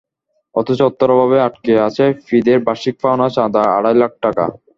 অথচ অর্থের অভাবে আটকে আছে ফিদের বার্ষিক পাওনা চাঁদা আড়াই লাখ টাকা।